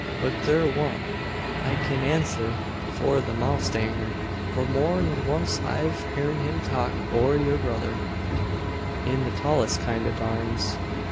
But thur wa'n't. I kin answer for the mowstanger for more'n oncest I've heern him talk o' your brother in the tallest kind o' tarms.